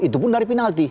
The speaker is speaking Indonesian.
itu pun dari penalti